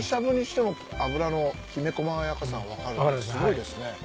すごいですね。